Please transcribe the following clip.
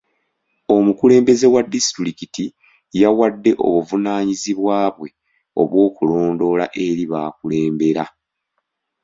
Omukulembeze wa disitulikiti yawadde obuvunaanyizibwa bwe obw'okulondoola eri b'akulembera.